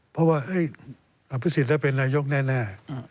เพราะว่าอศัพท์สิทธิ์จะเป็นนายกแน่